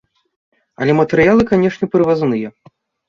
Але матэрыялы, канешне, прывазныя.